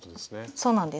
そうなんです。